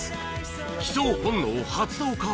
帰巣本能発動か？